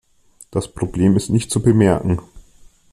Das Problem ist nicht zu bemerken.